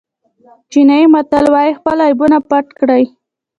چینایي متل وایي خپل عیبونه پټ کړئ.